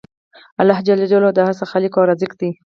الله ج د هر څه خالق او رازق دی